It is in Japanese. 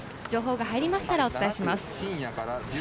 情報が入りましたらお伝えします。